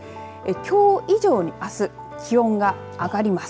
きょう以上に、あす気温が上がります。